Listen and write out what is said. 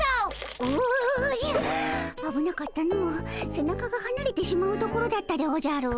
背中がはなれてしまうところだったでおじゃる。